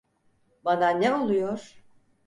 Bana ne oluyor?